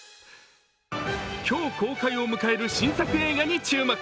今日公開を迎える新作映画に注目。